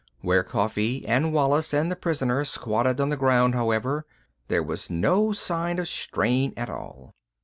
Where Coffee and Wallis and the prisoner squatted on the ground, however, there was no sign of strain at all.